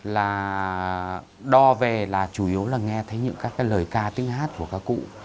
là đo về là chủ yếu là nghe thấy những các cái lời ca tiếng hát của các cụ